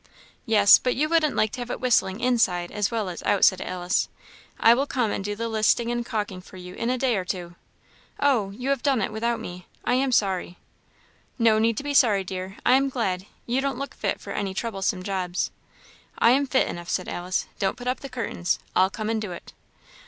"Yes, but you wouldn't like to have it whistling inside as well as out," said Alice. "I will come and do the listing and caulking for you in a day or two. Oh, you have it done without me! I am sorry." "No need to be sorry, dear I am glad; you don't look fit for any troublesome jobs." "I am fit enough," said Alice. "Don't put up the curtains; I'll come and do it."